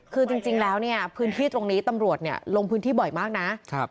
คือจริงแล้วเนี่ยพื้นที่ตรงนี้ตำรวจเนี่ยลงพื้นที่บ่อยมากนะ